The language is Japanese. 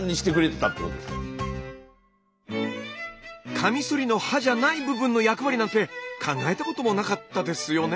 カミソリの刃じゃない部分の役割なんて考えたこともなかったですよね。